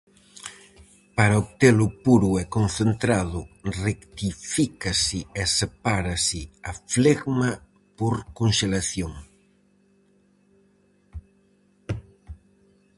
Para obtelo puro e concentrado, rectifícase e sepárase a flegma por conxelación.